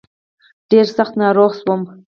ډېر سخت ناروغ شوم.